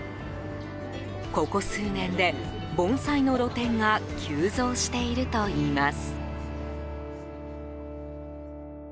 ここ数年で盆栽の露店が急増しているといいます。